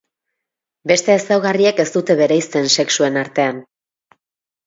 Beste ezaugarriek ez dute bereizten sexuen artean.